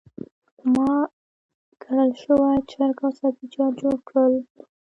ما ګرل شوي چرګ او سبزیجات جوړ کړل.